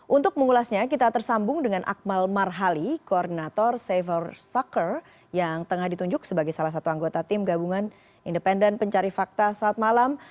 untuk mengulasnya kita tersambung dengan akmal marhali koordinator savor soccer yang tengah ditunjuk sebagai salah satu anggota tim gabungan independen pencari fakta saat malam